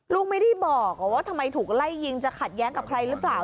ลูกไม่ได้บอกว่าทำไมถูกไล่ยิงจะขัดแย้งกับใครหรือเปล่า